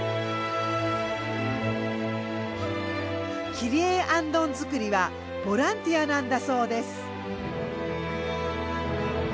切り絵行灯作りはボランティアなんだそうです。